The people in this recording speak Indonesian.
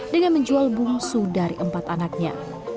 dengan menjual bungsu dari empat anaknya